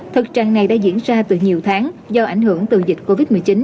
thực trạng này đã diễn ra từ nhiều tháng do ảnh hưởng từ dịch covid một mươi chín